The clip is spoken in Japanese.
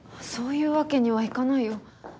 そういうわけにはいかないよ。